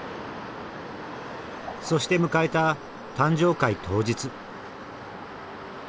そして迎えた誕生会当日。